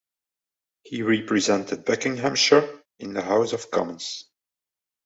He represented Buckinghamshire in the House of Commons.